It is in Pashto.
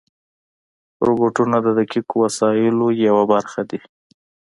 روبوټونه د دقیقو وسایلو یوه برخه دي.